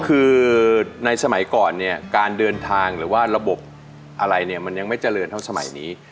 คือในสมัยก่อนเนี่ยการเดินทางหรือว่าระบบอะไรเนี่ยมันยังไม่เจริญเท่าสมัยนี้